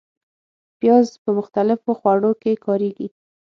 پیاز په مختلفو خوړو کې کارېږي